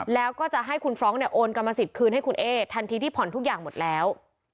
แล้วก็จะให้คุณฟรองก์เนี่ยโอนกรรมสิทธิ์คืนให้คุณเอ๊ทันทีที่ผ่อนทุกอย่างหมดแล้ว